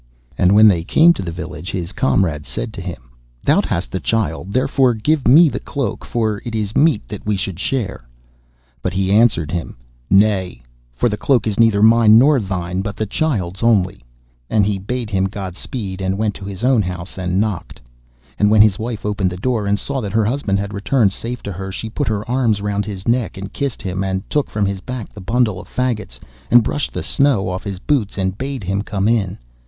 And when they came to the village, his comrade said to him, 'Thou hast the child, therefore give me the cloak, for it is meet that we should share.' But he answered him: 'Nay, for the cloak is neither mine nor thine, but the child's only,' and he bade him Godspeed, and went to his own house and knocked. And when his wife opened the door and saw that her husband had returned safe to her, she put her arms round his neck and kissed him, and took from his back the bundle of faggots, and brushed the snow off his boots, and bade him come in.